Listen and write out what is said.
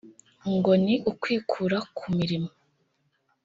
ngo ni ukwikura ku mirimo